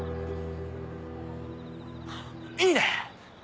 ⁉いいね！